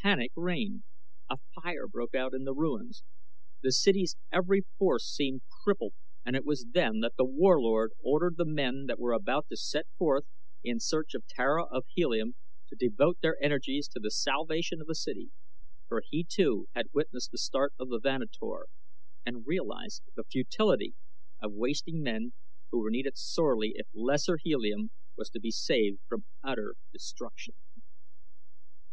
Panic reigned. A fire broke out in the ruins. The city's every force seemed crippled, and it was then that The Warlord ordered the men that were about to set forth in search of Tara of Helium to devote their energies to the salvation of the city, for he too had witnessed the start of the Vanator and realized the futility of wasting men who were needed sorely if Lesser Helium was to be saved from utter destruction.